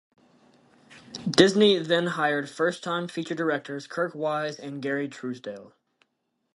Disney then hired first-time feature directors Kirk Wise and Gary Trousdale.